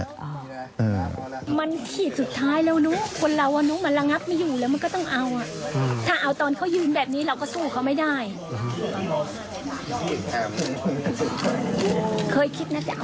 มันขีดสุดท้ายแล้วนุ๊ก